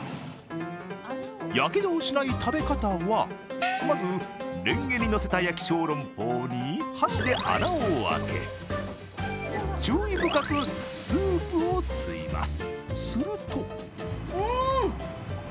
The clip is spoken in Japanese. やけどをしない食べ方はまず、れんげに乗せた焼小籠包に箸で穴を開け、注意深くスープを吸います。